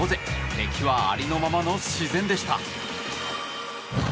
敵はありのままの自然でした。